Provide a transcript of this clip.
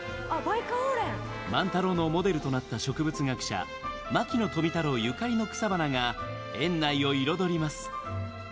万太郎のモデルとなった植物学者牧野富太郎ゆかりの草花が園内を彩ります。